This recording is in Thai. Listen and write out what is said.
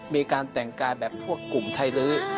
มีการแต่งกายแบบพวกกลุ่มไทยลื้อ